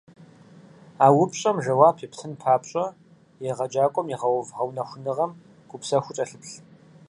А упщӀэм жэуап ептын папщӀэ, егъэджакӀуэм игъэув гъэунэхуныгъэм гупсэхуу кӀэлъыплъ.